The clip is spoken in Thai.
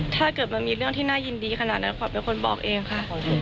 ถ้าเกิดมันมีเรื่องที่น่ายินดีขนาดนั้นขวัญเป็นคนบอกเองค่ะ